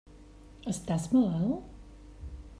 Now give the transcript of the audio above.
Estàs malalt?